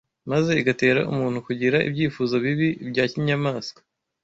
maze igatera umuntu kugira ibyifuzo bibi bya kinyamaswa